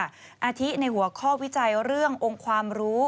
อาทิในหัวข้อวิจัยเรื่ององค์ความรู้